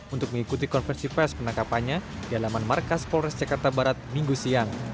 untuk mengikuti konversi pers penangkapannya di alaman markas polres jakarta barat minggu siang